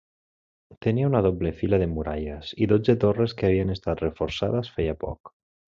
Tenia una doble fila de muralles i dotze torres que havien estat reforçades feia poc.